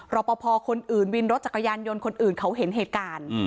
รอปภคนอื่นวินรถจักรยานยนต์คนอื่นเขาเห็นเหตุการณ์